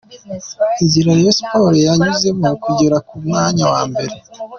Inzira Rayon Sports yanyuzemo kugera ku mwanya wa mbere.